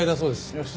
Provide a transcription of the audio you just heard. よし。